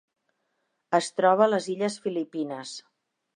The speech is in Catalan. Es troba a les illes Filipines.